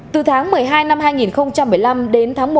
từ tháng một mươi hai năm hai nghìn một mươi năm đến tháng một